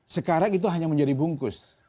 sekarang itu hanya menjadi bungkus